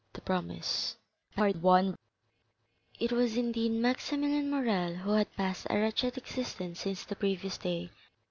The Promise It was indeed Maximilian Morrel, who had passed a wretched existence since the previous day.